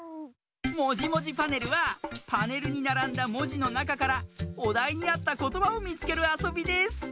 「もじもじパネル」はパネルにならんだもじのなかからおだいにあったことばをみつけるあそびです。